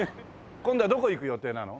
今度はどこ行く予定なの？